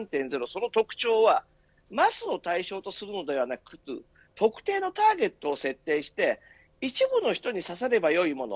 その特徴はマスを対象とするものではなく特定のターゲットを設定して一部の人に刺さればよいもの